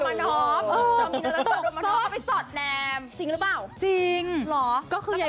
กับเพลงที่มีชื่อว่ากี่รอบก็ได้